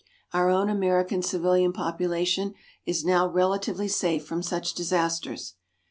Our own American civilian population is now relatively safe from such disasters.